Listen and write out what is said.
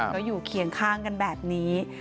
ก็อยู่เคียงข้างกันแบบนี้